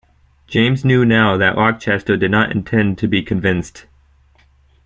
James knew now that Rochester did not intend to be convinced.